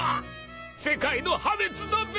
［世界の破滅だべ！］